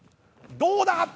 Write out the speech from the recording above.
どうだ！？